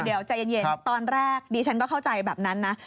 เดี๋ยวใจเย็นตอนแรกดิฉันก็เข้าใจแบบนั้นนะ